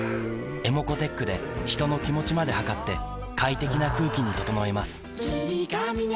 ｅｍｏｃｏーｔｅｃｈで人の気持ちまで測って快適な空気に整えます